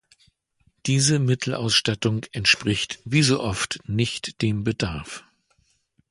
Diese Mittelausstattung entspricht wie so oft nicht dem Bedarf.